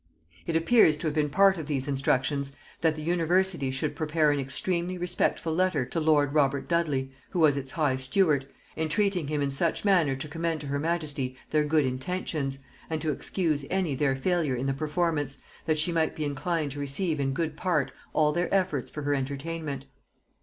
It appears to have been part of these instructions, that the university should prepare an extremely respectful letter to lord Robert Dudley, who was its high steward, entreating him in such manner to commend to her majesty their good intentions, and to excuse any their failure in the performance, that she might be inclined to receive in good part all their efforts for her entertainment.